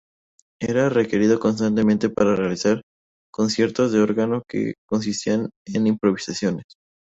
Era requerido constantemente para realizar conciertos de órgano que consistían en improvisaciones.